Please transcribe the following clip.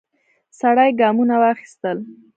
سړی ګامونه واخیستل.